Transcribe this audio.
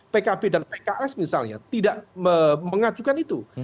pkb dan pks misalnya tidak mengajukan itu